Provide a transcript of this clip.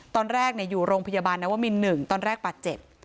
ตอนแรกอยู่โรงพยาบาลนวมิน๑ตอนแรกบาดเจ็บ